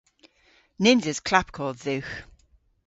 Nyns eus klapkodh dhywgh.